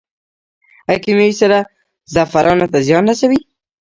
آیا کیمیاوي سره زعفرانو ته زیان رسوي؟